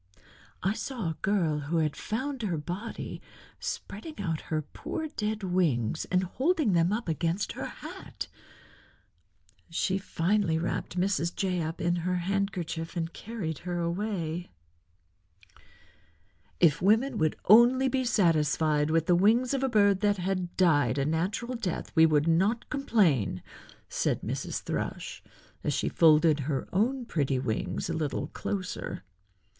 I saw a girl, who had found her body, spreading out her poor dead wings and holding them up against her hat. She finally wrapped Mrs. Jay up in her handkerchief and carried her away." "If women would only be satisfied with the wings of a bird that had died a natural death we would not complain," said Mrs. Thrush, as she folded her own pretty wings a little closer.